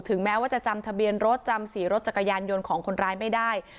แม้ว่าจะจำทะเบียนรถจำสีรถจักรยานยนต์ของคนร้ายไม่ได้